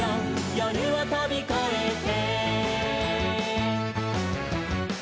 「夜をとびこえて」